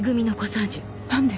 何で？